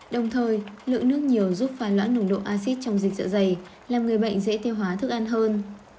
đồng thời lượng nước nhiều giúp phá loãn nồng độ acid trong dịch dạ dày làm người bệnh dễ tiêu hóa thức ăn hơn